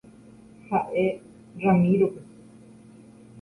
Ha'e Ramiro-pe.